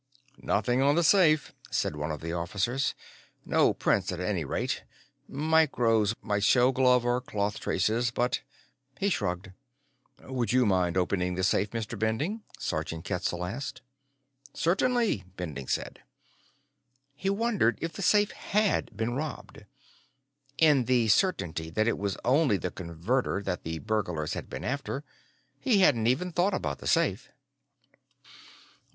"Nothing on the safe," said one of the officers. "No prints, at any rate. Micros might show glove or cloth traces, but " He shrugged. "Would you mind opening the safe, Mr. Bending?" Sergeant Ketzel asked. "Certainly," Bending said. He wondered if the safe had been robbed. In the certainty that it was only the Converter that the burglars had been after, he hadn't even thought about the safe.